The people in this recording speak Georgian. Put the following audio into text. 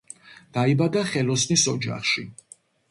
დაიბადა ხელოსნის ოჯახში.